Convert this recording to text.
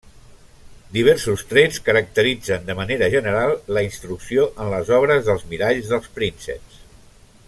Diversos trets caracteritzen de manera general la instrucció en les obres dels miralls dels prínceps.